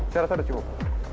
saya rasa udah cukup